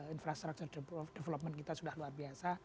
infrastructure development kita sudah luar biasa